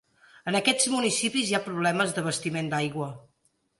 En aquests municipis hi ha problemes d'abastiment d'aigua.